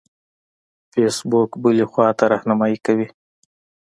فیسبوک بلې خواته رهنمایي کوي.